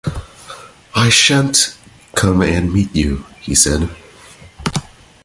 “I shan’t come and meet you,” he said.